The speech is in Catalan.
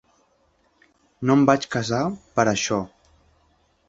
No em vaig casar per a això.